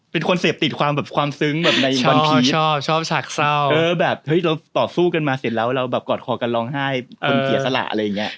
เป็นคนเสพติดความแบบความซึ้งแบบใดบางทีชอบชอบฉากเศร้าเออแบบเฮ้ยเราต่อสู้กันมาเสร็จแล้วเราแบบกอดคอกันร้องไห้คนเสียสละอะไรอย่างเงี้ย